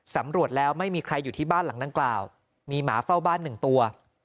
สำรวจแล้วไม่มีใครอยู่ที่บ้านหลังดังกล่าวมีหมาเฝ้าบ้านหนึ่งตัว